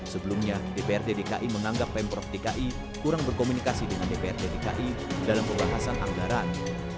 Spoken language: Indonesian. sebelumnya dprd dki menganggap pemprov dki kurang berkomunikasi dengan dprd dki dalam pembahasan anggaran